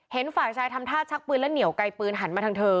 ฝ่ายชายทำท่าชักปืนแล้วเหนียวไกลปืนหันมาทางเธอ